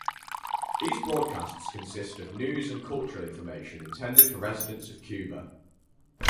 These broadcasts consist of news and cultural information intended for residents of Cuba.